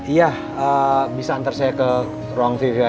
iya bisa antar saya ke ruang tv ya